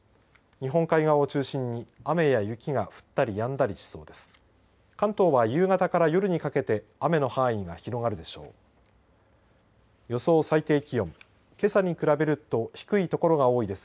日本海側を中心に雨や雪が降ったりやんだりしそうです。